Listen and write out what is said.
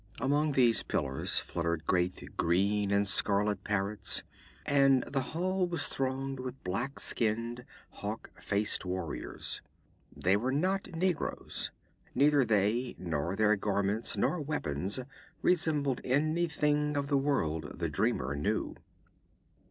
Among these pillars fluttered great green and scarlet parrots, and the hall was thronged with black skinned, hawk faced warriors. They were not negroes. Neither they nor their garments nor weapons resembled anything of the world the dreamer knew.